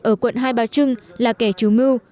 ở quận hai bà trưng là kẻ trú mưu